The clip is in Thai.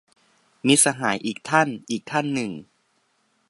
มิตรสหายอีกท่านอีกท่านหนึ่ง